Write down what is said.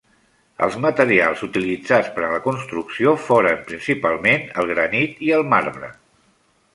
Els materials utilitzats per a la construcció foren, principalment, el granit i el marbre.